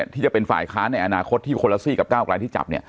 ที่จะเป็นฝ่ายค้านในอนาคตที่คนละซี่กับก้าวกลายที่จับ